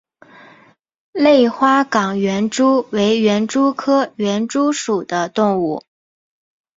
类花岗园蛛为园蛛科园蛛属的动物。